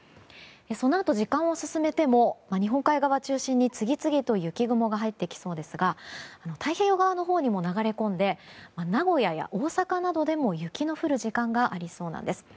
そのあと時間を進めても日本海側中心に次々と雪雲が入ってきそうですが太平洋側のほうにも流れ込んで名古屋や大阪などでも雪の降る時間がありそうなんです。